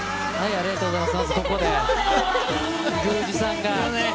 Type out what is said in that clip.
ありがとうございます。